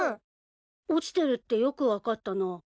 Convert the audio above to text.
落ちてるってよく分かったな。